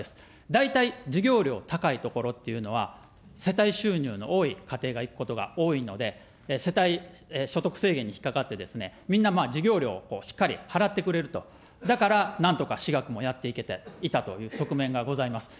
大体授業料高いところっていうのは、世帯収入の多い家庭が行くことが多いので、世帯所得制限に引っ掛かって、みんな授業料しっかり払ってくれると、だから、なんとか私学もやっていけていたという側面がございます。